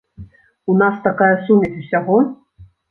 У нас такая сумесь усяго!